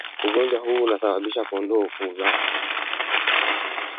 Ugonjwa huu husambazwa kondoo au mbuzi wanapokula lishe au kunywa maji yaliyo na mayai